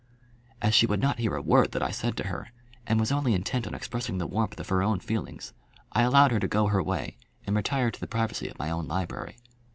As she would not hear a word that I said to her, and was only intent on expressing the warmth of her own feelings, I allowed her to go her way, and retired to the privacy of my own library.